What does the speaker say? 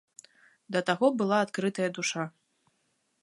Да таго была адкрытая душа!